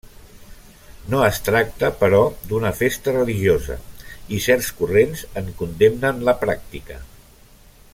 No es tracta, però, d'una festa religiosa i certs corrents en condemnen la pràctica.